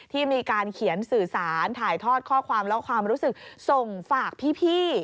ที่มีการเขียนสื่อสารถ่ายทอดข้อความและความรู้สึกส่งฝากพี่